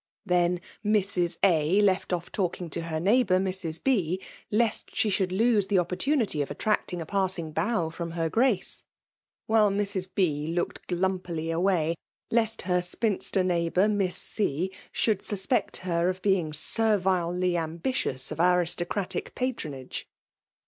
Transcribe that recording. Then Mrs. A. left off talking to her neigh bour Mra B., lest she sfaonld lose the oppor tmuty of attracting a passing bow from her Grace; while Mrs. B. looked glumpily awi7> lest her i^nster neighbonr Miss C. dtonid saBpcci her of being servilely aabitfimr of aristocratie patronage.